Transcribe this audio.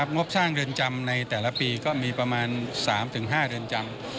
งบสร้างเรือนจำในแต่ละปีก็มีประมาณ๓๕เรือนจำ